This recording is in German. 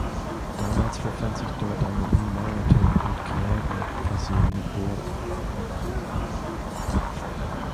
Damals befand sich dort eine ummauerte und mit Gräben versehene Burg.